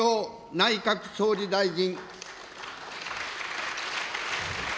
内閣総理大臣。